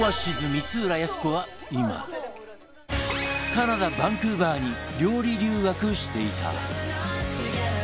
カナダバンクーバーに料理留学していた